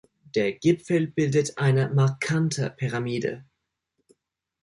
Der Gipfel bildet eine markante Pyramide.